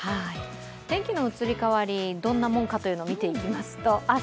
天気の移り変わり、どんなもんかというのを見ていきますと明日